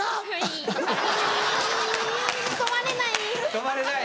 止まれない。